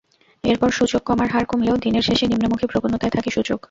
এরপর সূচক কমার হার কমলেও দিনের শেষে নিম্নমুখী প্রবণতায় থাকে সূচক।